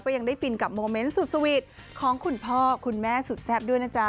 ยังได้ฟินกับโมเมนต์สุดสวีทของคุณพ่อคุณแม่สุดแซ่บด้วยนะจ๊ะ